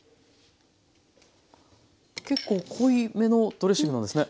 結構濃いめのドレッシングなんですね。